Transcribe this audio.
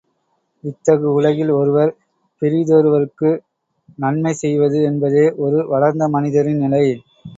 இத்தகு உலகில் ஒருவர் பிறிதொருவருக்கு நன்மை செய்வது என்பதே ஒரு வளர்ந்த மனிதரின் நிலை.